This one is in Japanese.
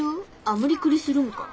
あっ無理くりするんか。